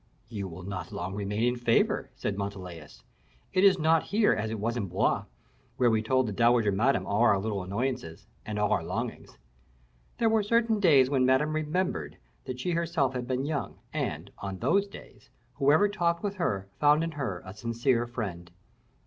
"You will not long remain in favor," said Montalais; "it is not here as it was at Blois, where we told the dowager Madame all our little annoyances, and all our longings. There were certain days when Madame remembered that she herself had been young, and, on those days, whoever talked with her found in her a sincere friend.